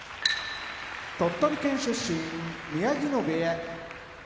鳥取県出身宮城野部屋